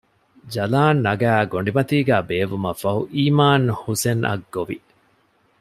ޖަލާން ނަގައި ގޮޑިމަތީގައި ބޭއްވުމަށްފަހު އީމާން ހުސެންއަށް ގޮވި